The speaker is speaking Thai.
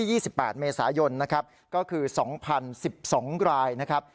ที่๒๘เมษายนนะครับก็คือ๒๐๑๒รายนะครับ